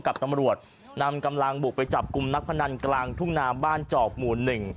กับตำรวจนำกำลังบุกไปจับกลุ่มนักพนันกลางทุ่งนาบ้านจอกหมู่หนึ่ง